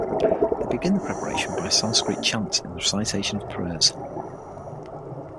They begin the preparation by Sanskrit chants and recitation of prayers.